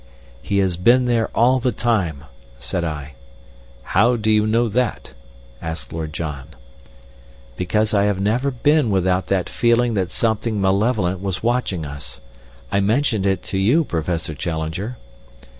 "He has been there all the time," said I. "How do you know that?" asked Lord John. "Because I have never been without that feeling that something malevolent was watching us. I mentioned it to you, Professor Challenger."